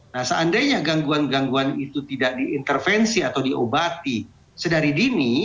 nah seandainya gangguan gangguan itu tidak diintervensi atau diobati